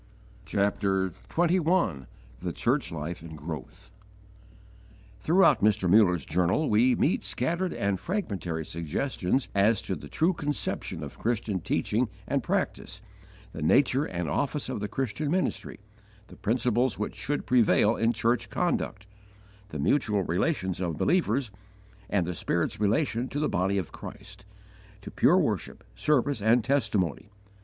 CHAPTER XXI THE CHURCH LIFE AND GROWTH THROUGHOUT Mr. Muller's journal we meet scattered and fragmentary suggestions as to the true conception of Christian teaching and practice, the nature and office of the Christian ministry, the principles which should prevail in church conduct, the mutual relations of believers, and the Spirit's relation to the Body of Christ, to pure worship, service, and testimony.